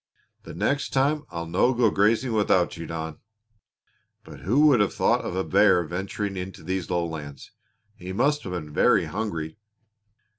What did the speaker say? The next time I'll no go grazing without you, Don. But who would have thought of a bear venturing into these lowlands! He must have been very hungry."